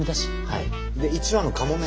はい？